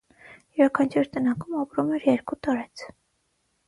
Յուրաքանչյուր տնակում ապրում էր երկու տարեց։